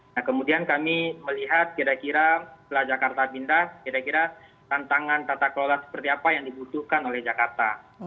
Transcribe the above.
nah kemudian kami melihat kira kira setelah jakarta pindah kira kira tantangan tata kelola seperti apa yang dibutuhkan oleh jakarta